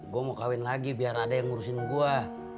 gue mau kawin lagi biar ada yang ngurusin gue